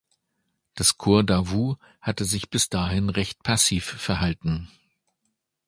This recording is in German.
Das Korps Davout hatte sich bis dahin recht passiv verhalten.